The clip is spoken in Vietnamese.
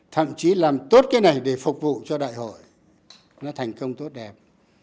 thậm chí làm tốt cái này để phục vụ cho đại hội nó thành công tốt đẹp